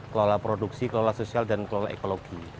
kelola produksi kelola sosial dan kelola ekologi